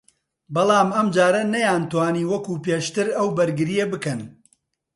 بەڵام ئەمجارە نەیانتوانی وەکو پێشتر ئەو بەرگرییە بکەن